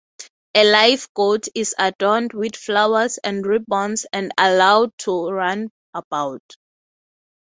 A live goat is adorned with flowers and ribbons and allowed to run about.